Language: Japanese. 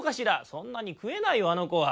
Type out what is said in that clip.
「そんなにくえないよあのこは。